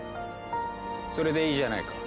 それでいいじゃないか。